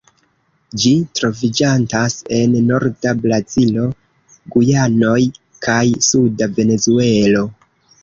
Ĝi troviĝantas en norda Brazilo, Gujanoj, kaj suda Venezuelo.